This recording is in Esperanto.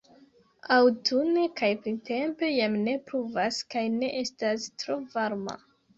Aŭtune kaj printempe jam ne pluvas kaj ne estas tro varma.